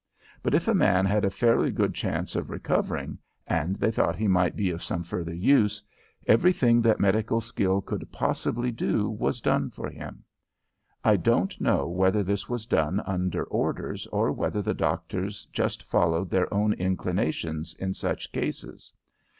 But if a man had a fairly good chance of recovering and they thought he might be of some further use, everything that medical skill could possibly do was done for him. I don't know whether this was done under orders or whether the doctors just followed their own inclinations in such cases.